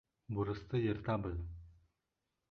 Бурысты йыртабыҙ!